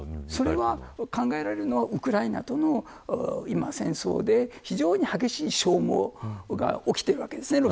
それは、考えられるのはウクライナとの戦争で非常に激しい消耗が起きているわけです